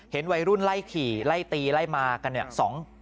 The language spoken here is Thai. เห็นวัยรุ่นไล่ขี่ไล่ตีไล่มากัน